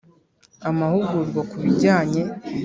Amahugurwa ku bijyanye